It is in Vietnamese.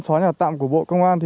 xóa nhà tạm của bộ công an